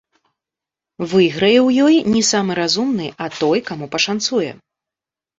Выйграе ў ёй не самы разумны, а той, каму пашанцуе.